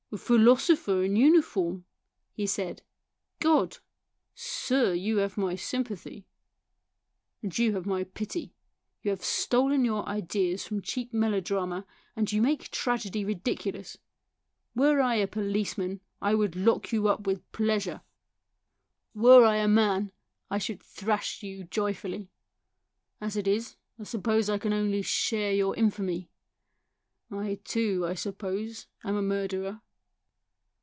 " A philosopher in uniform," he said, " God ! sir, you have my sympathy." " And you have my pity. You have stolen your ideas from cheap melodrama, and you make tragedy ridiculous. Were I a police man, I would lock you up with pleasure. THE SOUL OF A POLICEMAN 195 Were I a man, I should thrash you joyfully. As it is I can only share your infamy. I too, I suppose, am a murderer."